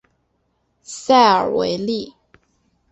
塞尔维利。